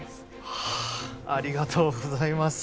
はあありがとうございます。